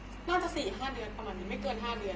ใช่เรารับเขามาน่าจะ๔๕เดือนประมาณนี้ไม่เกิน๕เดือน